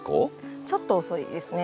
ちょっと遅いですね。